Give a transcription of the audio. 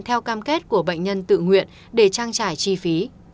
theo cam kết của bệnh nhân tự nguyện để trang trải chi phí